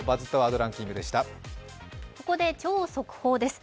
ここで超速報です。